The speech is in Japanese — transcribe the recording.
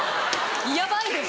ヤバいです。